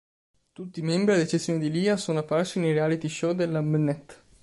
Tutti i membri, ad eccezione di Lia, sono apparsi nei reality show della Mnet.